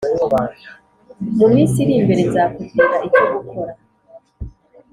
mu minsi irimbere nzakubwira icyo gukora